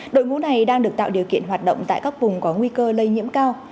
đội ngũ này đang được tạo điều kiện hoạt động tại các vùng có nguy cơ lây nhiễm cao